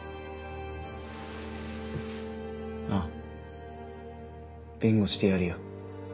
ああ弁護してやるよ。